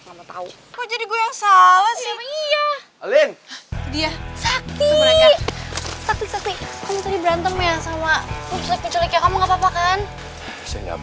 ngomong tahu jadi gue salah sih iya alin dia tapi tapi kamu tadi berantem ya sama